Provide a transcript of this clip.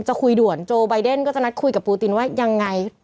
จะคุยด่วนโจไบเดนก็จะนัดคุยกับปูตินว่ายังไง